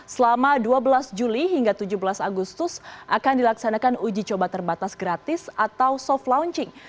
selama dua belas juli hingga tujuh belas agustus akan dilaksanakan uji coba terbatas gratis atau soft launching